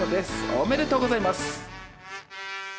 おめでとうございます」。